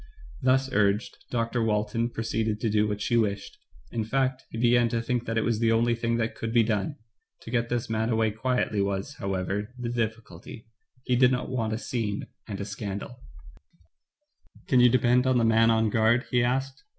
Thus urged. Dr. Walton proceeded to do what she wished ; in fact, he began to think that it was the only thing that could be done. To get this man away quietly was, however, the difficulty — he did not want a scene and a scandal. Digitized by Google 2i6 THE FATE OF FENELLA. Can you depend on the man on guard?" he asked.